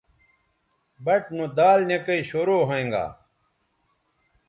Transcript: بَٹ نو دال نِکئ شروع ھوینگا